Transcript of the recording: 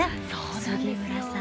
杉村さん